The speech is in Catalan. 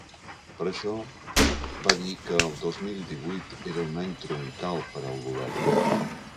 Per això, va dir que el dos mil divuit era un ‘any troncal’ per al govern.